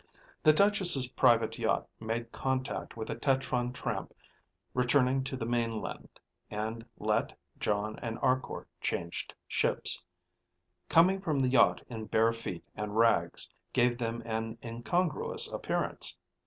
The Duchess' private yacht made contact with a tetron tramp returning to the mainland and Let, Jon, and Arkor changed ships. Coming from the yacht in bare feet and rags gave them an incongruous appearance.